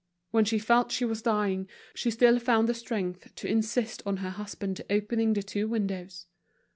When she felt she was dying, she still found the strength to insist on her husband opening the two windows.